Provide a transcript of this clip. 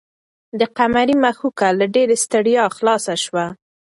د قمرۍ مښوکه له ډېرې ستړیا خلاصه شوه.